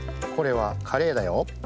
これはカレイだよ。